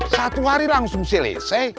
satu hari langsung selesai